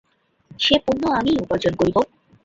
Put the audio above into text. সে পুণ্য আমিই উপার্জন করিব।